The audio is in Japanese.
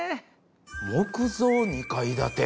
木造二階建て。